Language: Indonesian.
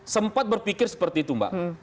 sempat berpikir seperti itu mbak